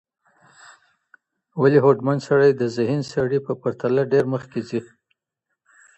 ولي هوډمن سړی د ذهین سړي په پرتله ډېر مخکي ځي؟